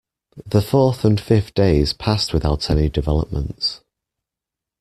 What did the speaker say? The fourth and fifth days passed without any developments.